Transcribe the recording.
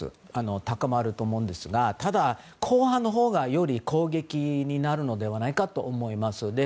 高まると思うんですがただ、後半のほうがより攻撃になるのではないかと思います。